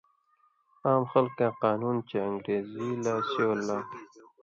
عام خلکاں قانُون چے اَن٘گرزی لا سِوَل لاء